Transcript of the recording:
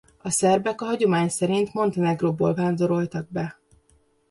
A szerbek a hagyomány szerint Montenegróból vándoroltak be.